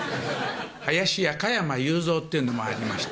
林家加山雄三っていうのもありまして。